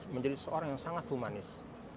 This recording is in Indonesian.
menjadi seorang yang sangat humanis